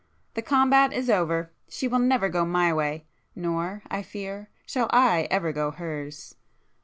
The combat is over. She will never go my way,—nor, I fear, shall I ever go hers!"